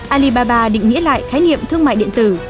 alibaba định nghĩa lại khái niệm thương mại điện tử